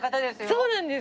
そうなんです。